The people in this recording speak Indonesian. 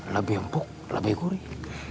lebih empuk lebih gurih